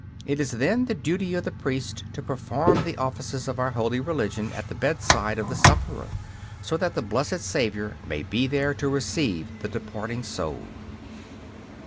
It is then the duty of the priest to perform the offices of our holy religion at the bedside of the sufferer, so that the blessed Saviour may be there to receive the departing soul.